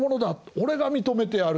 俺が認めてやる」。